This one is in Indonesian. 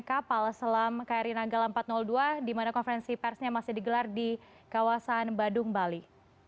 kapal selam kri nanggala empat ratus dua di mana konferensi persnya masih digelar di kawasan badung bali